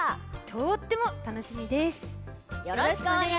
とってもたのしみです。